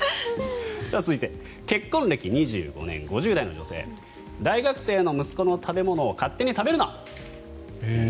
続いて、結婚歴２５年５０代の女性大学生の息子の食べ物を勝手に食べるな。